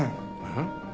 えっ？